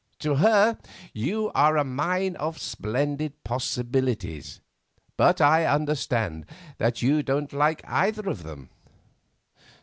To her you are a mine of splendid possibilities. But I understand that you don't like either of them."